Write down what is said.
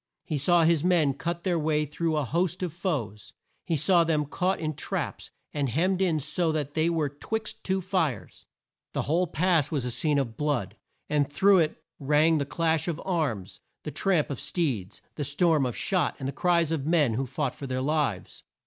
He saw his men cut their way through a host of foes. He saw them caught in traps, and hemmed in so that they were 'twixt two fires. The whole pass was a scene of blood, and through it rang the clash of arms, the tramp of steeds, the storm of shot, and the cries of men who fought for their lives.